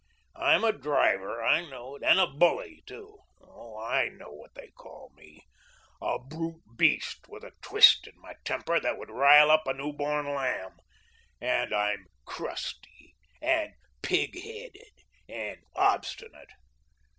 I'm a 'driver,' I know it, and a 'bully,' too. Oh, I know what they call me 'a brute beast, with a twist in my temper that would rile up a new born lamb,' and I'm 'crusty' and 'pig headed' and 'obstinate.'